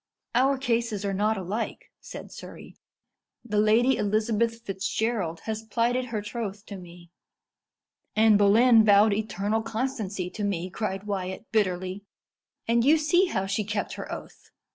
"Our cases are not alike," said Surrey. "The Lady Elizabeth Fitzgerald has plighted her troth to me." "Anne Boleyn vowed eternal constancy to me," cried Wyat bitterly; "and you see how she kept her oath.